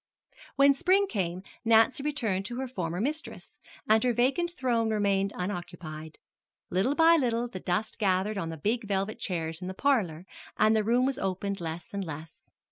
When spring came Nancy returned to her former mistress, and her vacant throne remained unoccupied. Little by little the dust gathered on the big velvet chairs in the parlor, and the room was opened less and less.